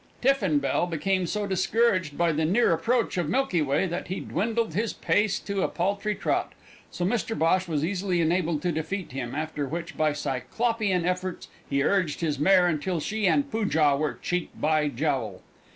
Tiffin Bell became so discouraged by the near approach of Milky Way that he dwindled his pace to a paltry trot, so Mr Bhosh was easily enabled to defeat him, after which by Cyclopean efforts he urged his mare until she and Poojah were cheek by jowl.